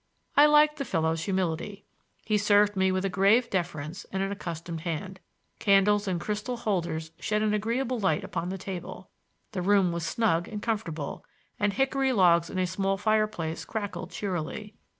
I liked the fellow's humility. He served me with a grave deference and an accustomed hand. Candles in crystal holders shed an agreeable light upon the table; the room was snug and comfortable, and hickory logs in a small fireplace crackled cheerily.